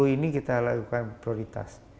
sepuluh ini kita lakukan prioritas